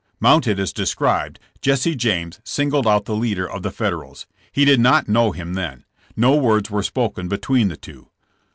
Mounted as described, Jesse James singled out the leader of the Federals. He did not know him then. No words were spoken between the two.